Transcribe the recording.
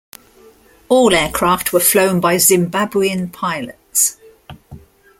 All aircraft were flown by Zimbabwean pilots.